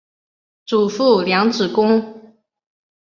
祖父梁子恭。